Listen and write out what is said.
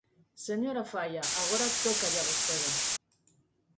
Señora Faia, agora tócalle a vostede.